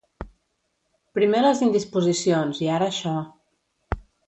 Primer les indisposicions i ara això.